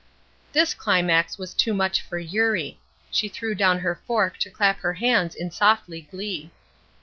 This climax was too much for Eurie. She threw down her fork to clap her hands in softly glee.